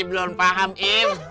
belum paham im